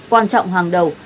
quan trọng hàng đầu